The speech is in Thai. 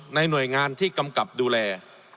หน่วยงานที่กำกับดูแล